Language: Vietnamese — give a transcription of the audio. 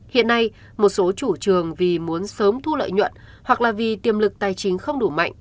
hiện nay một số chủ trường vì muốn sớm thu lợi nhuận hoặc là vì tiềm lực tài chính không đủ mạnh